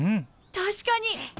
確かに！